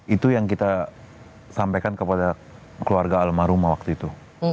itu yang kita sampaikan kepada keluarga almarhumah waktu itu